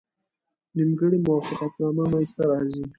نیمګړې موافقتنامه منځته راځي.